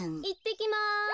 いってきます。